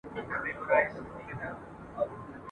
د بشر په نوم ياديږي !.